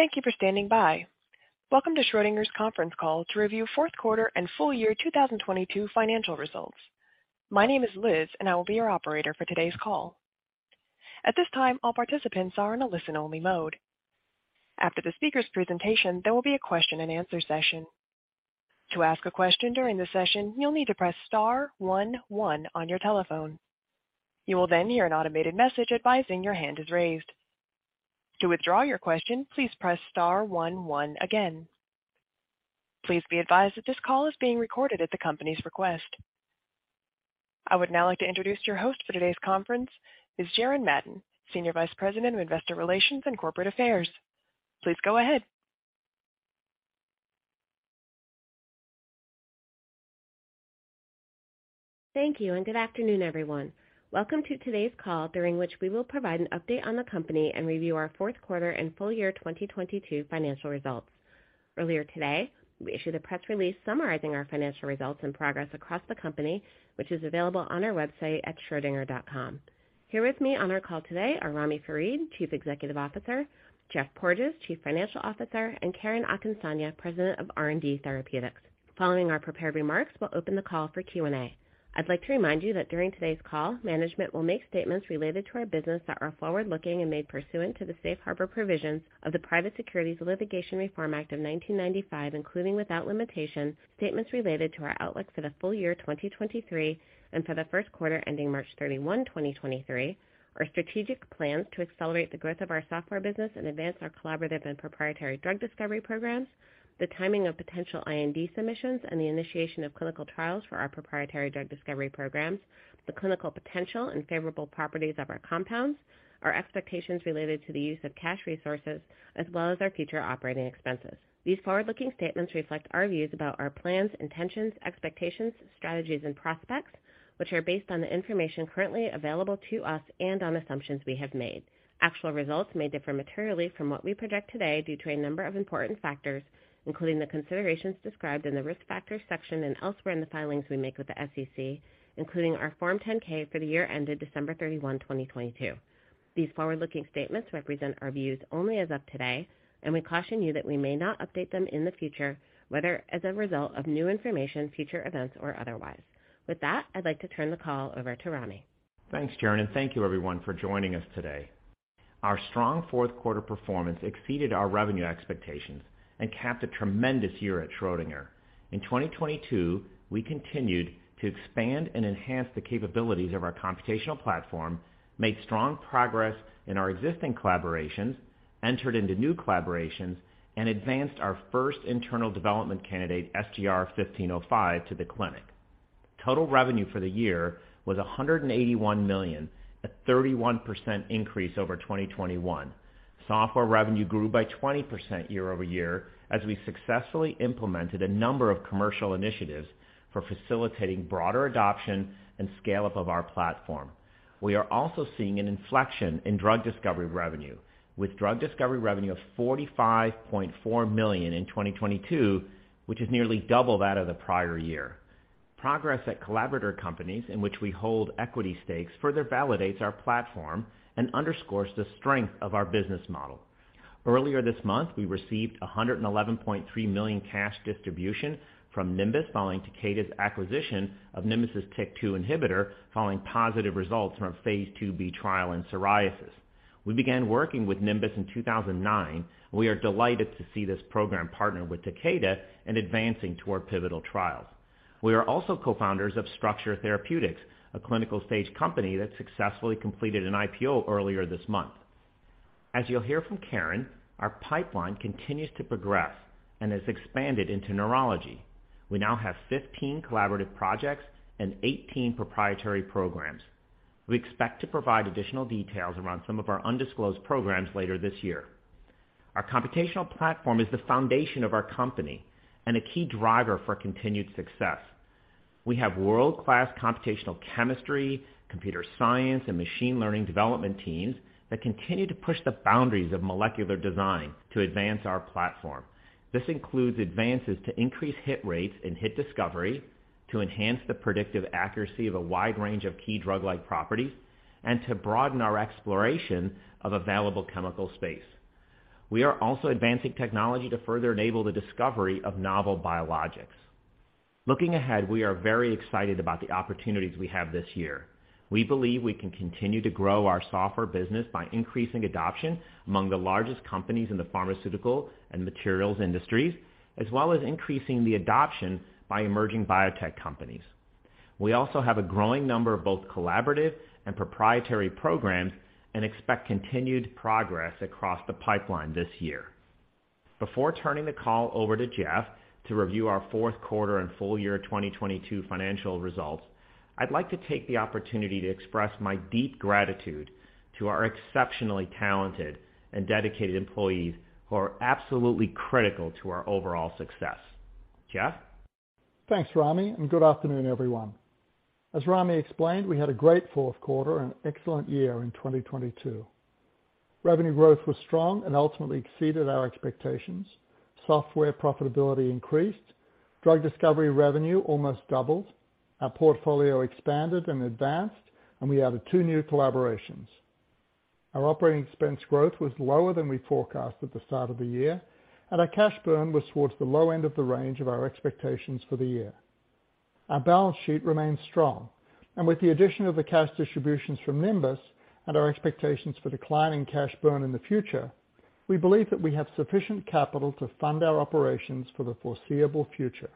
Thank you for standing by. Welcome to Schrödinger's conference call to review fourth quarter and full year 2022 financial results. My name is Liz, and I will be your operator for today's call. At this time, all participants are in a listen-only mode. After the speaker's presentation, there will be a question-and-answer session. To ask a question during the session, you'll need to press star 11 on your telephone. You will then hear an automated message advising your hand is raised. To withdraw your question, please press star 11 again. Please be advised that this call is being recorded at the company's request. I would now like to introduce your host for today's conference is Jerron Madden, Senior Vice President of Investor Relations and Corporate Affairs. Please go ahead. Thank you, good afternoon, everyone. Welcome to today's call, during which we will provide an update on the company and review our fourth quarter and full year 2022 financial results. Earlier today, we issued a press release summarizing our financial results and progress across the company, which is available on our website at schrodinger.com. Here with me on our call today are Ramy Farid, Chief Executive Officer, Geoff Porges, Chief Financial Officer, and Karen Akinsanya, President of R&D, Therapeutics. Following our prepared remarks, we'll open the call for Q&A. I'd like to remind you that during today's call, management will make statements related to our business that are forward-looking and made pursuant to the safe harbor provisions of the Private Securities Litigation Reform Act of 1995, including without limitation, statements related to our outlook for the full year 2023 and for the first quarter ending March 31, 2023, our strategic plans to accelerate the growth of our software business and advance our collaborative and proprietary drug discovery programs, the timing of potential IND submissions and the initiation of clinical trials for our proprietary drug discovery programs, the clinical potential and favorable properties of our compounds, our expectations related to the use of cash resources, as well as our future operating expenses. These forward-looking statements reflect our views about our plans, intentions, expectations, strategies, and prospects, which are based on the information currently available to us and on assumptions we have made. Actual results may differ materially from what we project today due to a number of important factors, including the considerations described in the Risk Factors section and elsewhere in the filings we make with the SEC, including our Form 10-K for the year ended December 31, 2022. These forward-looking statements represent our views only as of today, and we caution you that we may not update them in the future, whether as a result of new information, future events, or otherwise. With that, I'd like to turn the call over to Ramy. Thanks, Jaren, and thank you everyone for joining us today. Our strong fourth quarter performance exceeded our revenue expectations and capped a tremendous year at Schrödinger. In 2022, we continued to expand and enhance the capabilities of our computational platform, made strong progress in our existing collaborations, entered into new collaborations, and advanced our first internal development candidate, SGR-1505, to the clinic. Total revenue for the year was $181 million, a 31% increase over 2021. Software revenue grew by 20% year-over-year as we successfully implemented a number of commercial initiatives for facilitating broader adoption and scale-up of our platform. We are also seeing an inflection in drug discovery revenue, with drug discovery revenue of $45.4 million in 2022, which is nearly double that of the prior year. Progress at collaborator companies in which we hold equity stakes further validates our platform and underscores the strength of our business model. Earlier this month, we received a $111.3 million cash distribution from Nimbus following Takeda's acquisition of Nimbus's TYK2 inhibitor following positive results from a phase 2B trial in psoriasis. We began working with Nimbus in 2009. We are delighted to see this program partner with Takeda in advancing toward pivotal trials. We are also co-founders of Structure Therapeutics, a clinical-stage company that successfully completed an IPO earlier this month. As you'll hear from Karen, our pipeline continues to progress and has expanded into neurology. We now have 15 collaborative projects and 18 proprietary programs. We expect to provide additional details around some of our undisclosed programs later this year. Our computational platform is the foundation of our company and a key driver for continued success. We have world-class computational chemistry, computer science, and machine learning development teams that continue to push the boundaries of molecular design to advance our platform. This includes advances to increase hit rates in hit discovery, to enhance the predictive accuracy of a wide range of key drug-like properties, and to broaden our exploration of available chemical space. We are also advancing technology to further enable the discovery of novel biologics. Looking ahead, we are very excited about the opportunities we have this year. We believe we can continue to grow our software business by increasing adoption among the largest companies in the pharmaceutical and materials industries, as well as increasing the adoption by emerging biotech companies. We also have a growing number of both collaborative and proprietary programs and expect continued progress across the pipeline this year. Before turning the call over to Geoff to review our fourth quarter and full year 2022 financial results, I'd like to take the opportunity to express my deep gratitude to our exceptionally talented and dedicated employees who are absolutely critical to our overall success. Geoff? Thanks, Ramy, and good afternoon, everyone. As Ramy explained, we had a great fourth quarter and excellent year in 2022. Revenue growth was strong and ultimately exceeded our expectations. Software profitability increased. Drug discovery revenue almost doubled. Our portfolio expanded and advanced, and we added 2 new collaborations. Our operating expense growth was lower than we forecast at the start of the year, and our cash burn was towards the low end of the range of our expectations for the year. Our balance sheet remains strong, and with the addition of the cash distributions from Nimbus and our expectations for declining cash burn in the future, we believe that we have sufficient capital to fund our operations for the foreseeable future.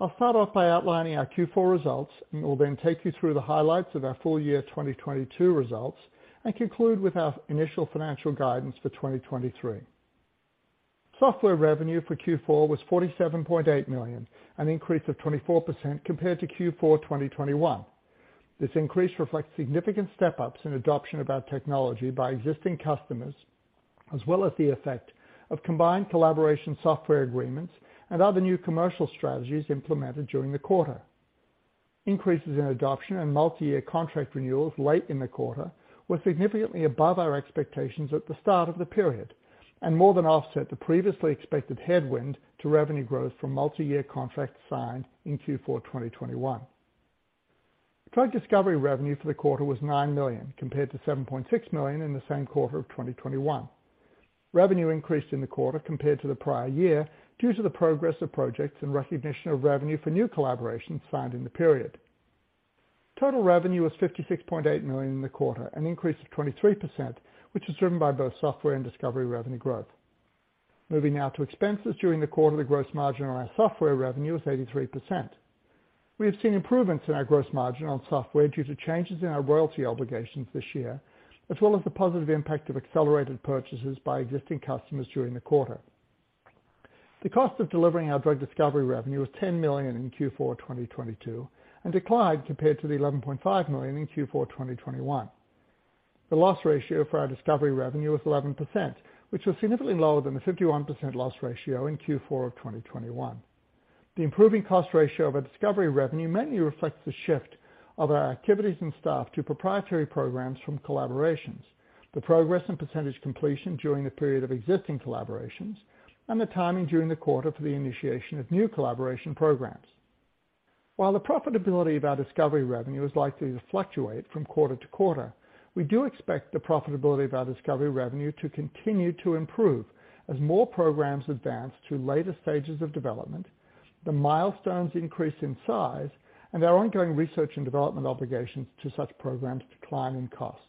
I'll start off by outlining our Q4 results and will then take you through the highlights of our full year 2022 results and conclude with our initial financial guidance for 2023. Software revenue for Q4 was $47.8 million, an increase of 24% compared to Q4 2021. This increase reflects significant step-ups in adoption of our technology by existing customers, as well as the effect of combined collaboration software agreements and other new commercial strategies implemented during the quarter. Increases in adoption and multi-year contract renewals late in the quarter were significantly above our expectations at the start of the period and more than offset the previously expected headwind to revenue growth from multi-year contracts signed in Q4 2021. Drug discovery revenue for the quarter was $9 million, compared to $7.6 million in the same quarter of 2021. Revenue increased in the quarter compared to the prior year due to the progress of projects and recognition of revenue for new collaborations found in the period. Total revenue was $56.8 million in the quarter, an increase of 23%, which was driven by both software and discovery revenue growth. Moving now to expenses. During the quarter, the gross margin on our software revenue was 83%. We have seen improvements in our gross margin on software due to changes in our royalty obligations this year, as well as the positive impact of accelerated purchases by existing customers during the quarter. The cost of delivering our drug discovery revenue was $10 million in Q4 2022, and declined compared to the $11.5 million in Q4 2021. The loss ratio for our discovery revenue was 11%, which was significantly lower than the 51% loss ratio in Q4 of 2021. The improving cost ratio of our discovery revenue mainly reflects the shift of our activities and staff to proprietary programs from collaborations, the progress and percentage completion during the period of existing collaborations, and the timing during the quarter for the initiation of new collaboration programs. While the profitability of our discovery revenue is likely to fluctuate from quarter to quarter, we do expect the profitability of our discovery revenue to continue to improve as more programs advance to later stages of development, the milestones increase in size, and our ongoing research and development obligations to such programs decline in cost.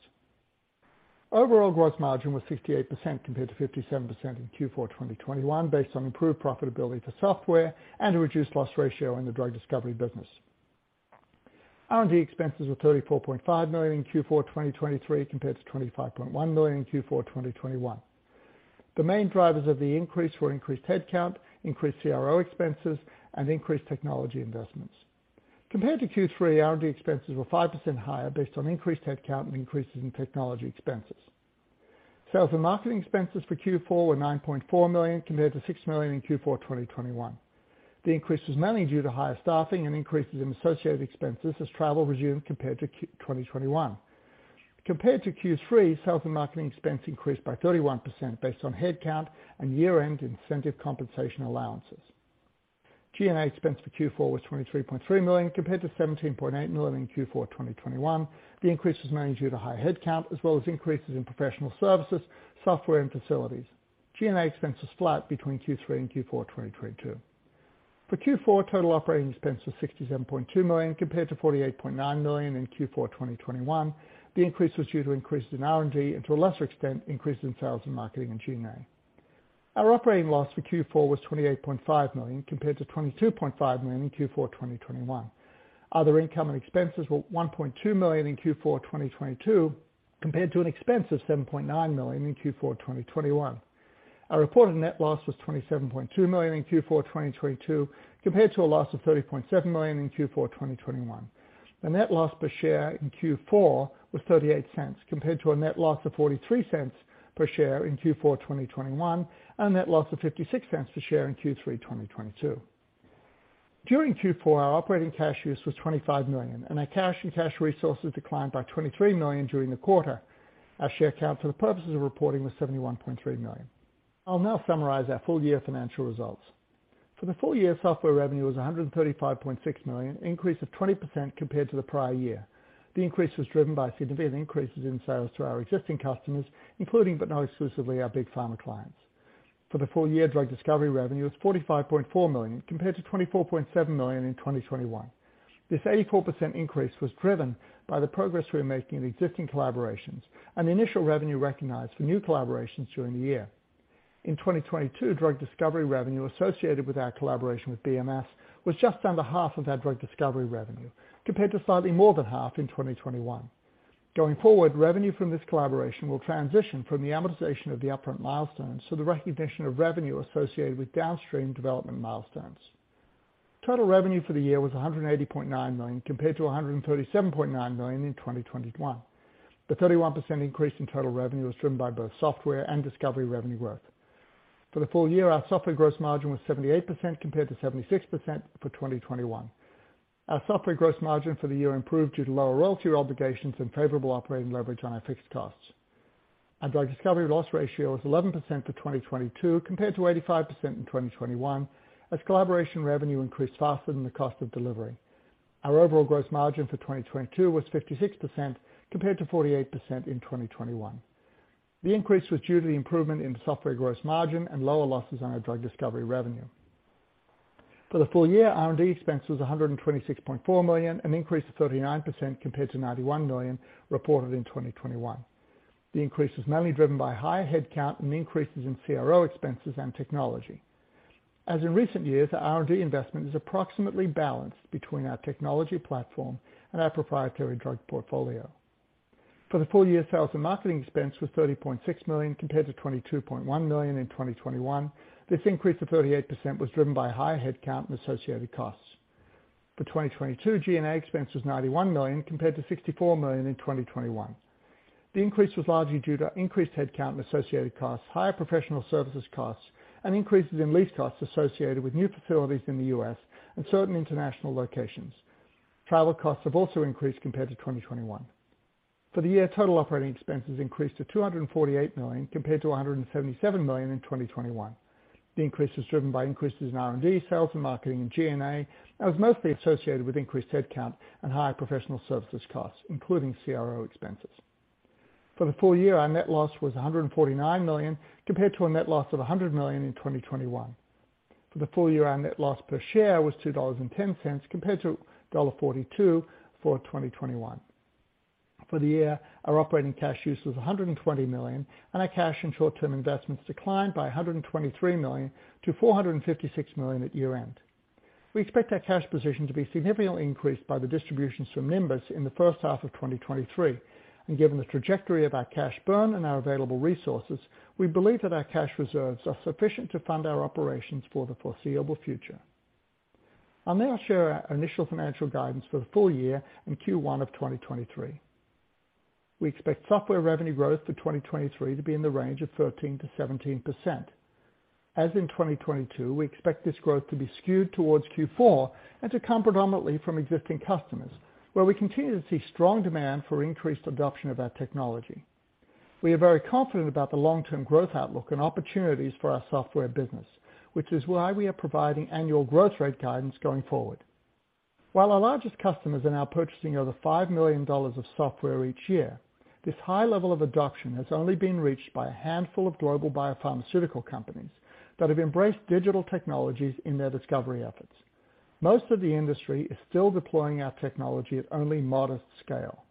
Overall gross margin was 68% compared to 57% in Q4 2021, based on improved profitability for software and a reduced loss ratio in the drug discovery business. R&D expenses were $34.5 million in Q4 2023 compared to $25.1 million in Q4 2021. The main drivers of the increase were increased headcount, increased CRO expenses, and increased technology investments. Compared to Q3, R&D expenses were 5% higher based on increased headcount and increases in technology expenses. Sales and marketing expenses for Q4 were $9.4 million compared to $6 million in Q4 2021. The increase was mainly due to higher staffing and increases in associated expenses as travel resumed compared to 2021. Compared to Q3, sales and marketing expense increased by 31% based on headcount and year-end incentive compensation allowances. G&A expense for Q4 was $23.3 million compared to $17.8 million in Q4 2021. The increase was mainly due to higher headcount as well as increases in professional services, software, and facilities. G&A expense was flat between Q3 and Q4 2022. For Q4, total operating expense was $67.2 million compared to $48.9 million in Q4 2021. The increase was due to increases in R&D and, to a lesser extent, increases in sales and marketing in G&A. Our operating loss for Q4 was $28.5 million compared to $22.5 million in Q4 2021. Other income and expenses were $1.2 million in Q4 2022 compared to an expense of $7.9 million in Q4 2021. Our reported net loss was $27.2 million in Q4 2022 compared to a loss of $30.7 million in Q4 2021. The net loss per share in Q4 was $0.38 compared to a net loss of $0.43 per share in Q4 2021, and a net loss of $0.56 per share in Q3 2022. During Q4, our operating cash use was $25 million, and our cash and cash resources declined by $23 million during the quarter. Our share count for the purposes of reporting was 71.3 million. I'll now summarize our full year financial results. For the full year, software revenue was $135.6 million, an increase of 20% compared to the prior year. The increase was driven by significant increases in sales to our existing customers, including but not exclusively our big pharma clients. For the full year, drug discovery revenue was $45.4 million compared to $24.7 million in 2021. This 84% increase was driven by the progress we are making in existing collaborations and the initial revenue recognized for new collaborations during the year. In 2022, drug discovery revenue associated with our collaboration with BMS was just under half of our drug discovery revenue, compared to slightly more than half in 2021. Going forward, revenue from this collaboration will transition from the amortization of the upfront milestones to the recognition of revenue associated with downstream development milestones. Total revenue for the year was $180.9 million compared to $137.9 million in 2021. The 31% increase in total revenue was driven by both software and discovery revenue growth. For the full year, our software gross margin was 78% compared to 76% for 2021. Our software gross margin for the year improved due to lower royalty obligations and favorable operating leverage on our fixed costs. Our drug discovery loss ratio was 11% for 2022 compared to 85% in 2021, as collaboration revenue increased faster than the cost of delivery. Our overall gross margin for 2022 was 56% compared to 48% in 2021. The increase was due to the improvement in software gross margin and lower losses on our drug discovery revenue. For the full year, R&D expense was $126.4 million, an increase of 39% compared to $91 million reported in 2021. The increase was mainly driven by higher headcount and increases in CRO expenses and technology. As in recent years, our R&D investment is approximately balanced between our technology platform and our proprietary drug portfolio. For the full year, sales and marketing expense was $30.6 million compared to $22.1 million in 2021. This increase of 38% was driven by higher headcount and associated costs. For 2022, GNA expense was $91 million compared to $64 million in 2021. The increase was largely due to increased headcount and associated costs, higher professional services costs, and increases in lease costs associated with new facilities in the U.S. and certain international locations. Travel costs have also increased compared to 2021. For the year, total operating expenses increased to $248 million compared to $177 million in 2021. The increase is driven by increases in R&D, sales and marketing, and GNA, and was mostly associated with increased headcount and higher professional services costs, including CRO expenses. For the full year, our net loss was $149 million, compared to a net loss of $100 million in 2021. For the full year, our net loss per share was $2.10, compared to $1.42 for 2021. For the year, our operating cash use was $120 million, and our cash and short-term investments declined by $123 million to $456 million at year-end. We expect our cash position to be significantly increased by the distributions from Nimbus in the first half of 2023. Given the trajectory of our cash burn and our available resources, we believe that our cash reserves are sufficient to fund our operations for the foreseeable future. I'll now share our initial financial guidance for the full year in Q1 of 2023. We expect software revenue growth for 2023 to be in the range of 13%-17%. As in 2022, we expect this growth to be skewed towards Q4 and to come predominantly from existing customers, where we continue to see strong demand for increased adoption of our technology. We are very confident about the long-term growth outlook and opportunities for our software business, which is why we are providing annual growth rate guidance going forward. While our largest customers are now purchasing over $5 million of software each year, this high level of adoption has only been reached by a handful of global biopharmaceutical companies that have embraced digital technologies in their discovery efforts. Most of the industry is still deploying our technology at only modest scale.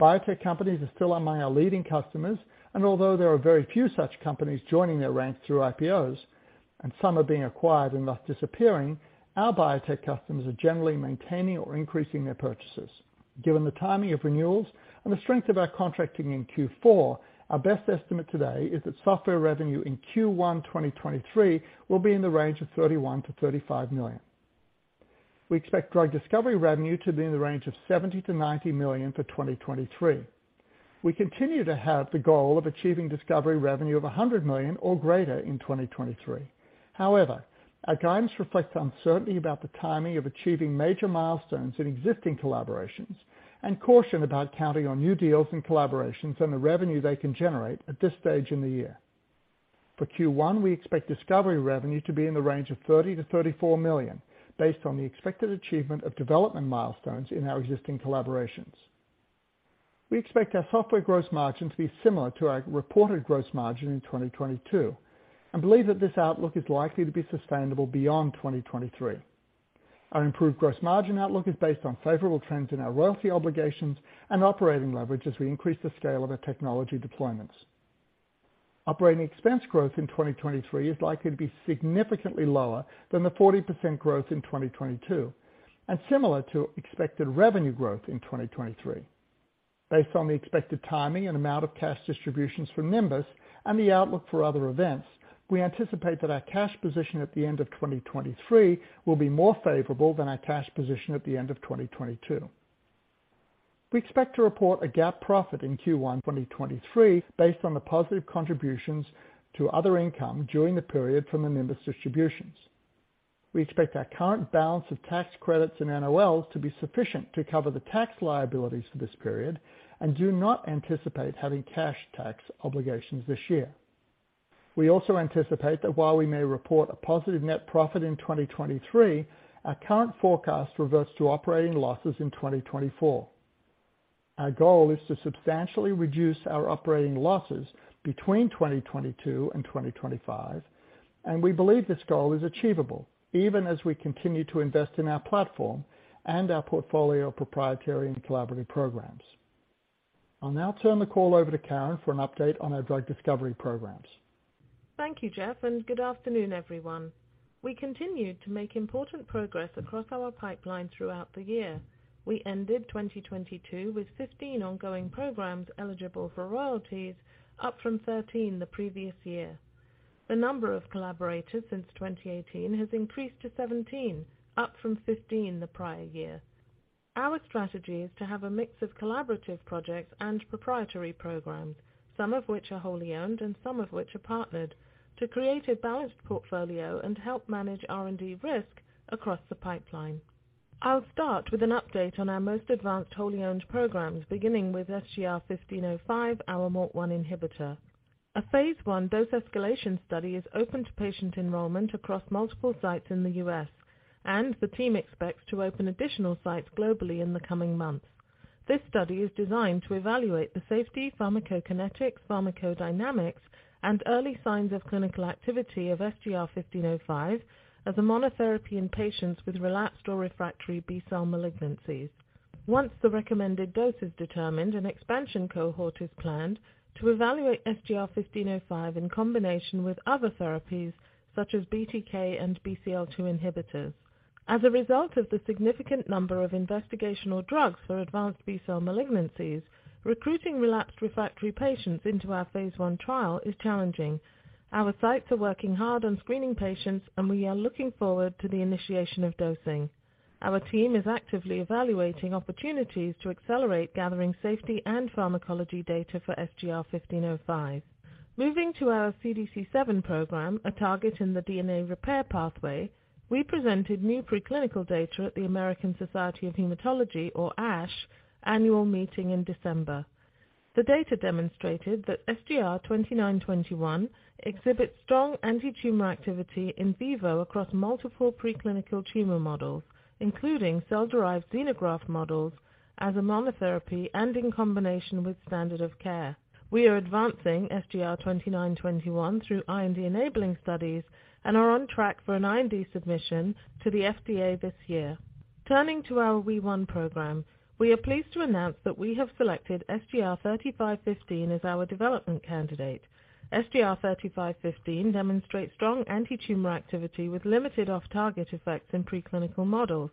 Biotech companies are still among our leading customers, although there are very few such companies joining their ranks through IPOs, some are being acquired and thus disappearing, our biotech customers are generally maintaining or increasing their purchases. Given the timing of renewals and the strength of our contracting in Q4, our best estimate today is that software revenue in Q1, 2023 will be in the range of $31 million-$35 million. We expect drug discovery revenue to be in the range of $70 million-$90 million for 2023. We continue to have the goal of achieving discovery revenue of $100 million or greater in 2023. However, our guidance reflects uncertainty about the timing of achieving major milestones in existing collaborations and caution about counting on new deals and collaborations and the revenue they can generate at this stage in the year. For Q1, we expect discovery revenue to be in the range of $30 million-$34 million based on the expected achievement of development milestones in our existing collaborations. We expect our software gross margin to be similar to our reported gross margin in 2022 and believe that this outlook is likely to be sustainable beyond 2023. Our improved gross margin outlook is based on favorable trends in our royalty obligations and operating leverage as we increase the scale of our technology deployments. Operating expense growth in 2023 is likely to be significantly lower than the 40% growth in 2022 and similar to expected revenue growth in 2023. Based on the expected timing and amount of cash distributions from Nimbus and the outlook for other events, we anticipate that our cash position at the end of 2023 will be more favorable than our cash position at the end of 2022. We expect to report a GAAP profit in Q1 2023 based on the positive contributions to other income during the period from the Nimbus distributions. We expect our current balance of tax credits and NOLs to be sufficient to cover the tax liabilities for this period and do not anticipate having cash tax obligations this year. We also anticipate that while we may report a positive net profit in 2023, our current forecast reverts to operating losses in 2024. Our goal is to substantially reduce our operating losses between 2022 and 2025, and we believe this goal is achievable even as we continue to invest in our platform and our portfolio of proprietary and collaborative programs. I'll now turn the call over to Karen for an update on our drug discovery programs. Thank you, Geoff, good afternoon, everyone. We continued to make important progress across our pipeline throughout the year. We ended 2022 with 15 ongoing programs eligible for royalties, up from 13 the previous year. The number of collaborators since 2018 has increased to 17, up from 15 the prior year. Our strategy is to have a mix of collaborative projects and proprietary programs, some of which are wholly owned and some of which are partnered, to create a balanced portfolio and help manage R&D risk across the pipeline. I'll start with an update on our most advanced wholly-owned programs, beginning with SGR-1505, our MALT1 inhibitor. A phase I dose escalation study is open to patient enrollment across multiple sites in the U.S., and the team expects to open additional sites globally in the coming months. This study is designed to evaluate the safety, pharmacokinetics, pharmacodynamics, and early signs of clinical activity of SGR-1505 as a monotherapy in patients with relapsed or refractory B-cell malignancies. Once the recommended dose is determined, an expansion cohort is planned to evaluate SGR-1505 in combination with other therapies such as BTK and BCL-2 inhibitors. As a result of the significant number of investigational drugs for advanced B-cell malignancies, recruiting relapsed refractory patients into our phase I trial is challenging. Our sites are working hard on screening patients, and we are looking forward to the initiation of dosing. Our team is actively evaluating opportunities to accelerate gathering safety and pharmacology data for SGR-1505. Moving to our CDC7 program, a target in the DNA repair pathway, we presented new preclinical data at the American Society of Hematology, or ASH, annual meeting in December. The data demonstrated that SGR-2921 exhibits strong antitumor activity in vivo across multiple preclinical tumor models, including cell-derived xenograft models as a monotherapy and in combination with standard of care. We are advancing SGR-2921 through IND-enabling studies and are on track for an IND submission to the FDA this year. Turning to our Wee1 program, we are pleased to announce that we have selected SGR-3515 as our development candidate. SGR-3515 demonstrates strong antitumor activity with limited off-target effects in preclinical models.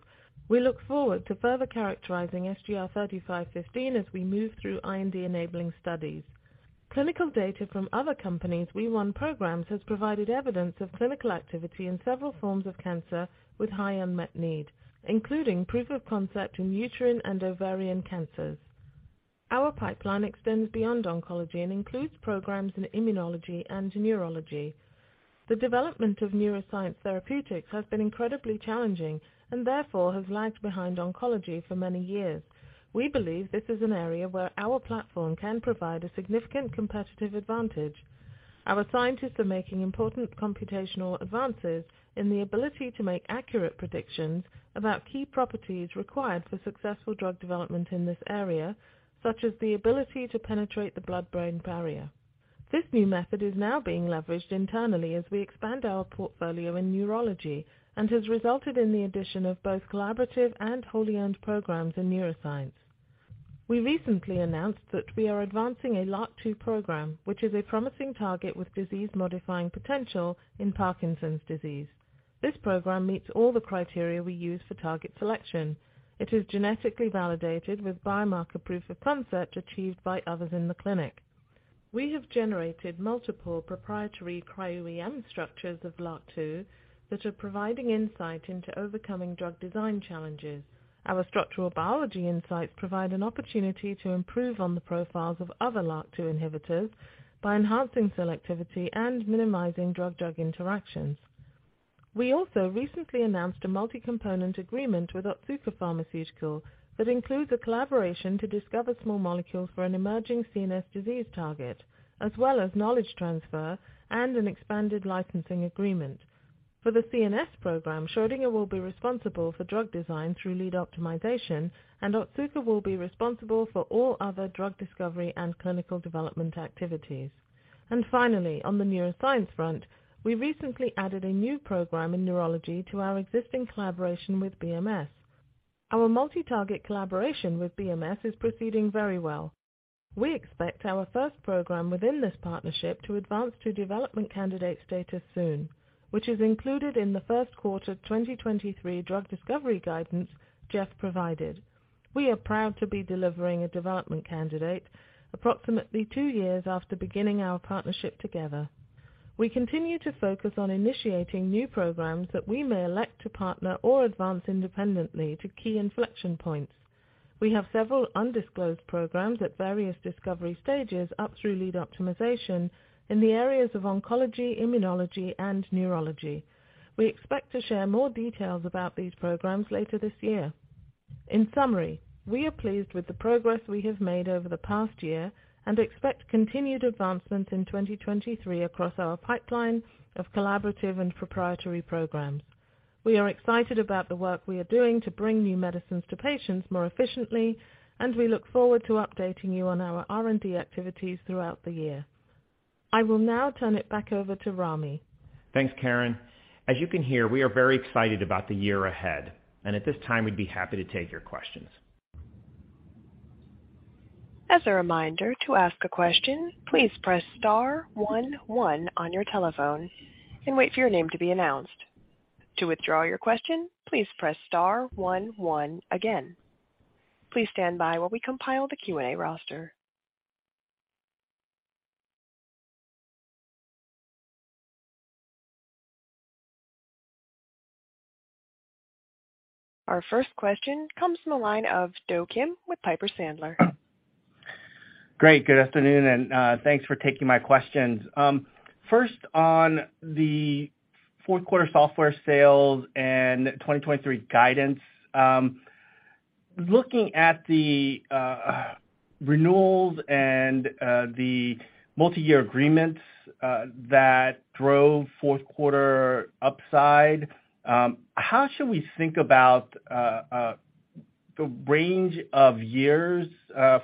We look forward to further characterizing SGR-3515 as we move through IND-enabling studies. Clinical data from other companies' Wee1 programs has provided evidence of clinical activity in several forms of cancer with high unmet need, including proof of concept in uterine and ovarian cancers. Our pipeline extends beyond oncology and includes programs in immunology and neurology. The development of neuroscience therapeutics has been incredibly challenging and therefore has lagged behind oncology for many years. We believe this is an area where our platform can provide a significant competitive advantage. Our scientists are making important computational advances in the ability to make accurate predictions about key properties required for successful drug development in this area, such as the ability to penetrate the blood-brain barrier. This new method is now being leveraged internally as we expand our portfolio in neurology and has resulted in the addition of both collaborative and wholly-owned programs in neuroscience. We recently announced that we are advancing a LRRK2 program, which is a promising target with disease-modifying potential in Parkinson's disease. This program meets all the criteria we use for target selection. It is genetically validated with biomarker proof of concept achieved by others in the clinic. We have generated multiple proprietary cryo-EM structures of LRRK2 that are providing insight into overcoming drug design challenges. Our structural biology insights provide an opportunity to improve on the profiles of other LRRK2 inhibitors by enhancing selectivity and minimizing drug-drug interactions. We also recently announced a multicomponent agreement with Otsuka Pharmaceutical that includes a collaboration to discover small molecules for an emerging CNS disease target, as well as knowledge transfer and an expanded licensing agreement. For the CNS program, Schrödinger will be responsible for drug design through lead optimization, and Otsuka will be responsible for all other drug discovery and clinical development activities. Finally, on the neuroscience front, we recently added a new program in neurology to our existing collaboration with BMS. Our multi-target collaboration with BMS is proceeding very well. We expect our first program within this partnership to advance to development candidate status soon, which is included in the first quarter 2023 drug discovery guidance Geoff provided. We are proud to be delivering a development candidate approximately 2 years after beginning our partnership together. We continue to focus on initiating new programs that we may elect to partner or advance independently to key inflection points. We have several undisclosed programs at various discovery stages up through lead optimization in the areas of oncology, immunology, and neurology. We expect to share more details about these programs later this year. In summary, we are pleased with the progress we have made over the past year and expect continued advancement in 2023 across our pipeline of collaborative and proprietary programs. We are excited about the work we are doing to bring new medicines to patients more efficiently, and we look forward to updating you on our R&D activities throughout the year. I will now turn it back over to Ramy. Thanks, Karen. As you can hear, we are very excited about the year ahead. At this time, we'd be happy to take your questions. As a reminder, to ask a question, please press star one one on your telephone and wait for your name to be announced. To withdraw your question, please press star one one again. Please stand by while we compile the Q&A roster. Our first question comes from the line of Do Kim with Piper Sandler. Great. Good afternoon, and thanks for taking my questions. First, on the fourth quarter software sales and 2023 guidance, looking at the renewals and the multiyear agreements that drove fourth quarter upside, how should we think about the range of years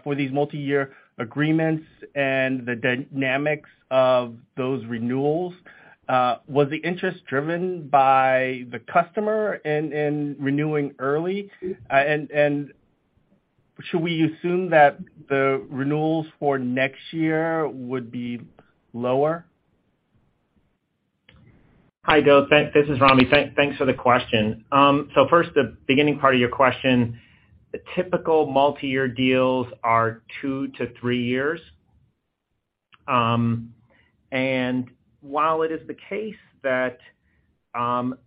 for these multi-year agreements and the dynamics of those renewals? Was the interest driven by the customer in renewing early? Should we assume that the renewals for next year would be lower? Hi, Doe. This is Ramy. Thanks for the question. First, the beginning part of your question, the typical multi-year deals are 2-3 years. While it is the case that some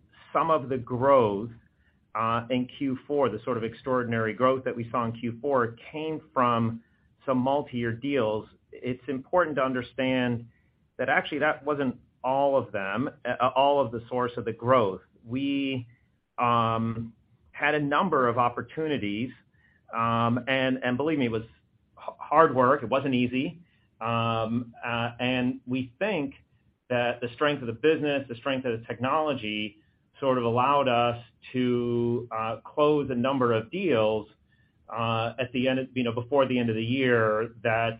of the growth in Q4, the sort of extraordinary growth that we saw in Q4, came from some multi-year deals, it's important to understand that actually, that wasn't all of them, all of the source of the growth. We had a number of opportunities, and believe me, it was hard work. It wasn't easy. We think that the strength of the business, the strength of the technology, sort of allowed us to close a number of deals you know, before the end of the year that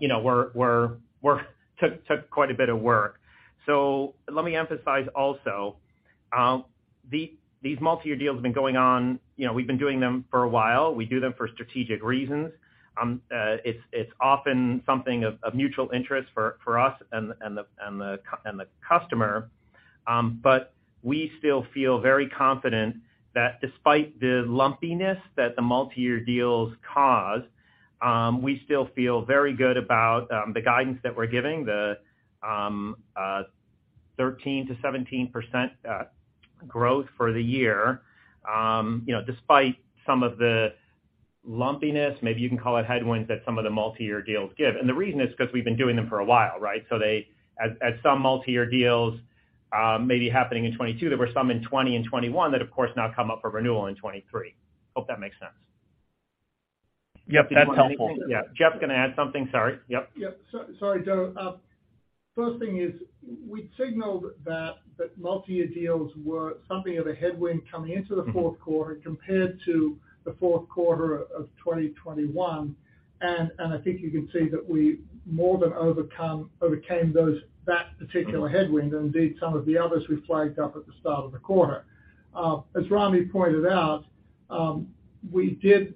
you know, were took quite a bit of work. Let me emphasize also, these multi-year deals have been going on. You know, we've been doing them for a while. We do them for strategic reasons. It's, it's often something of mutual interest for us and the customer. We still feel very confident that despite the lumpiness that the multi-year deals cause, we still feel very good about the guidance that we're giving, the 13%-17% growth for the year, you know, despite some of the lumpiness, maybe you can call it headwinds that some of the multi-year deals give. The reason is because we've been doing them for a while, right? As some multi-year deals may be happening in 2022, there were some in 2020 and 2021 that of course now come up for renewal in 2023. Hope that makes sense. Yep, that's helpful. Geoff's gonna add something. Sorry. Yep. Yeah. Sorry, Do. First thing is we signaled that the multi-year deals were something of a headwind coming into the fourth quarter compared to the fourth quarter of 2021. I think you can see that we more than overcame those, that particular headwind, and indeed some of the others we flagged up at the start of the quarter. As Ramy pointed out, we did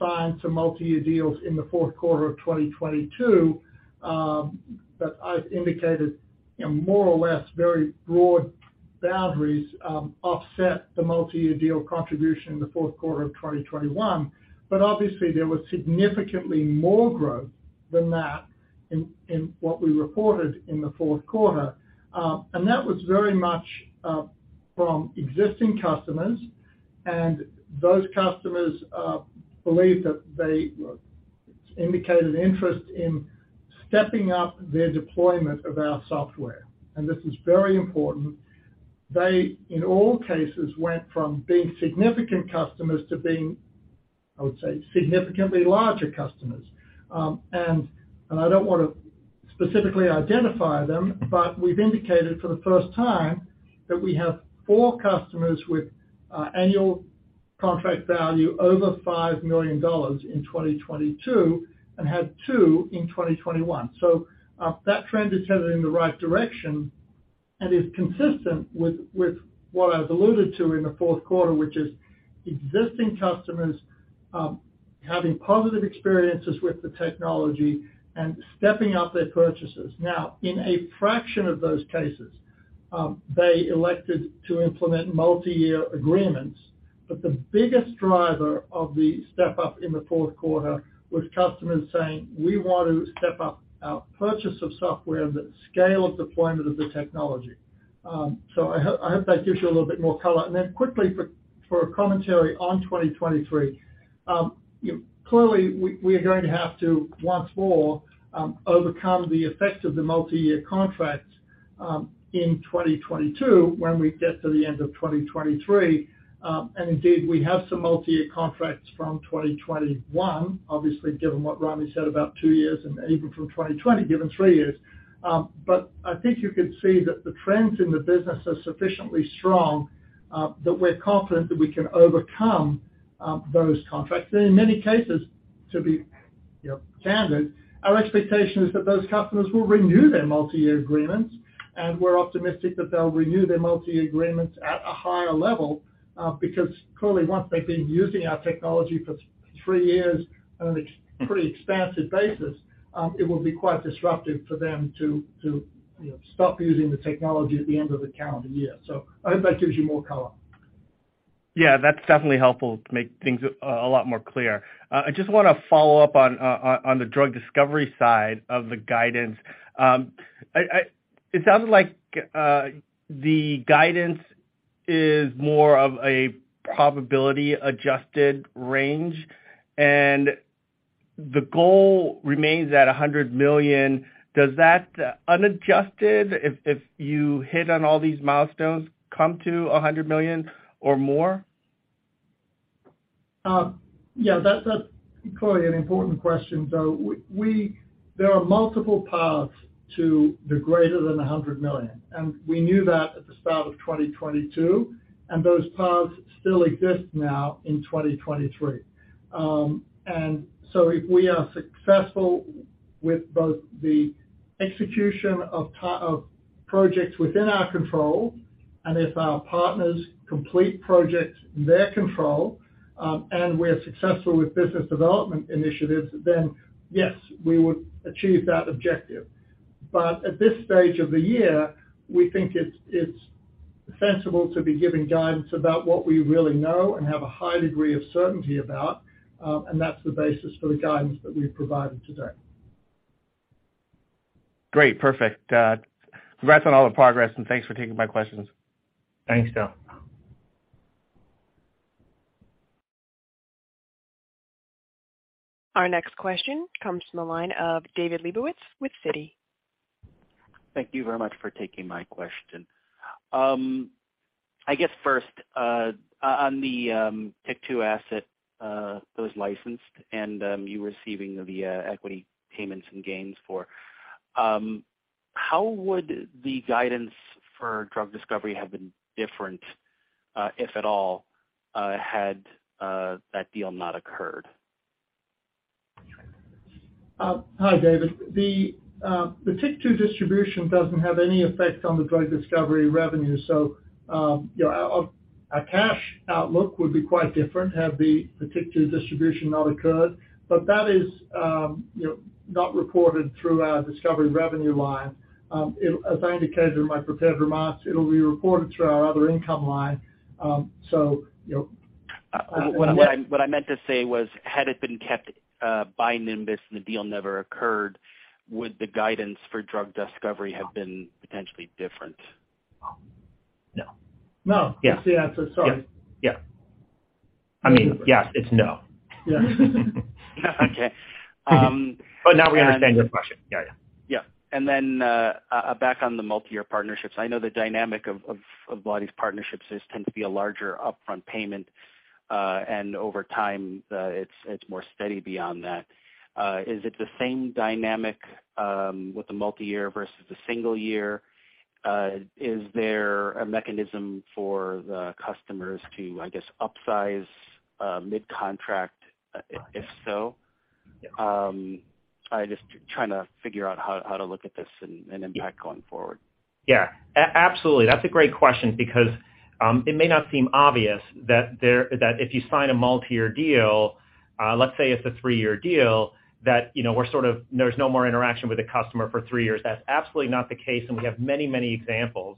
sign some multi-year deals in the fourth quarter of 2022 that I've indicated, you know, more or less very broad boundaries, offset the multi-year deal contribution in the fourth quarter of 2021. Obviously, there was significantly more growth than that in what we reported in the fourth quarter. That was very much from existing customers, and those customers believe that they indicated interest in stepping up their deployment of our software. This is very important. They, in all cases, went from being significant customers to being, I would say, significantly larger customers. I don't wanna specifically identify them, but we've indicated for the first time that we have four customers with annual contract value over $5 million in 2022 and had two in 2021. That trend is headed in the right direction and is consistent with what I've alluded to in the fourth quarter, which is existing customers having positive experiences with the technology and stepping up their purchases. Now, in a fraction of those cases, they elected to implement multi-year agreements. The biggest driver of the step-up in the fourth quarter was customers saying, "We want to step up our purchase of software and the scale of deployment of the technology." I hope that gives you a little bit more color. Quickly for a commentary on 2023, clearly, we are going to have to, once more, overcome the effects of the multi-year contracts in 2022 when we get to the end of 2023. Indeed, we have some multi-year contracts from 2021, obviously, given what Ramy said about 2 years and even from 2020, given 3 years. I think you can see that the trends in the business are sufficiently strong that we're confident that we can overcome those contracts. In many cases, to be, you know, candid, our expectation is that those customers will renew their multi-year agreements, and we're optimistic that they'll renew their multi-year agreements at a higher level, because clearly, once they've been using our technology for 3 years on a pretty expansive basis, it will be quite disruptive for them to, you know, stop using the technology at the end of the calendar year. I hope that gives you more color. Yeah, that's definitely helpful to make things a lot more clear. I just wanna follow up on the drug discovery side of the guidance. It sounds like the guidance. Is more of a probability adjusted range and the goal remains at $100 million. Does that unadjusted, if you hit on all these milestones, come to $100 million or more? Yeah, that's clearly an important question, though. There are multiple paths to the greater than $100 million, and we knew that at the start of 2022, and those paths still exist now in 2023. If we are successful with both the execution of projects within our control and if our partners complete projects in their control, and we're successful with business development initiatives, then yes, we would achieve that objective. At this stage of the year, we think it's sensible to be giving guidance about what we really know and have a high degree of certainty about, and that's the basis for the guidance that we've provided today. Great. Perfect. Congrats on all the progress, thanks for taking my questions. Thanks, Phil. Our next question comes from the line of David Lebowitz with Citi. Thank you very much for taking my question. I guess first, on the TYK2 asset, that was licensed and, you receiving the equity payments and gains for, how would the guidance for drug discovery have been different, if at all, had that deal not occurred? Hi, David. The TYK2 distribution doesn't have any effect on the drug discovery revenue, so, you know, our cash outlook would be quite different had the TYK2 distribution not occurred. That is, you know, not reported through our discovery revenue line. As I indicated in my prepared remarks, it'll be reported through our other income line. What I meant to say was, had it been kept by Nimbus and the deal never occurred, would the guidance for drug discovery have been potentially different? No. No. That's the answer. Sorry. Yeah. Yeah. I mean, yes, it's no. Yeah. Okay. Now we understand your question. Yeah, yeah. Back on the multi-year partnerships. I know the dynamic of a lot of these partnerships is tend to be a larger upfront payment, and over time, it's more steady beyond that. Is it the same dynamic with the multi-year versus the single year? Is there a mechanism for the customers to, I guess, upsize mid-contract, if so? I just trying to figure how to look at this and impact going forward. Yeah. Absolutely. That's a great question because it may not seem obvious that if you sign a multi-year deal, let's say it's a 3-year deal, that, you know, we're sort of, there's no more interaction with the customer for 3 years. That's absolutely not the case, and we have many, many examples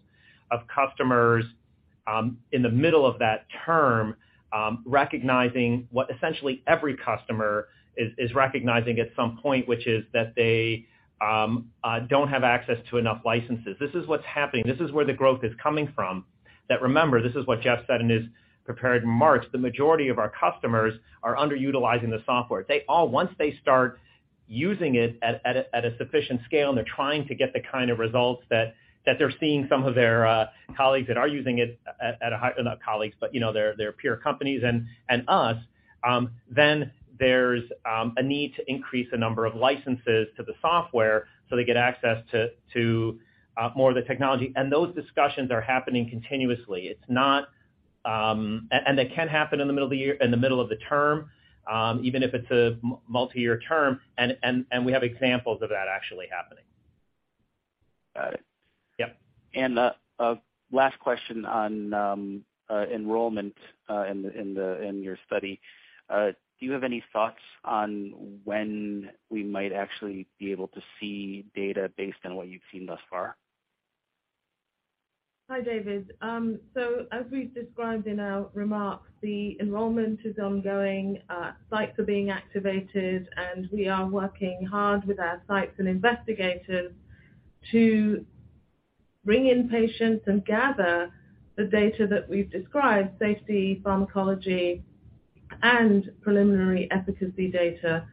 of customers in the middle of that term recognizing what essentially every customer is recognizing at some point, which is that they don't have access to enough licenses. This is what's happening. This is where the growth is coming from, that remember, this is what Geoff said in his prepared remarks, the majority of our customers are underutilizing the software. They Once they start using it at a sufficient scale, and they're trying to get the kind of results that they're seeing some of their colleagues that are using it at a high. Not colleagues, but you know, their peer companies and us, then there's a need to increase the number of licenses to the software so they get access to more of the technology. Those discussions are happening continuously. It's not. They can happen in the middle of the year in the middle of the term, even if it's a multi-year term and we have examples of that actually happening. Got it. Yep. Last question on enrollment in your study. Do you have any thoughts on when we might actually be able to see data based on what you've seen thus far? Hi, David. As we've described in our remarks, the enrollment is ongoing, sites are being activated, and we are working hard with our sites and investigators to bring in patients and gather the data that we've described, safety, pharmacology, and preliminary efficacy data.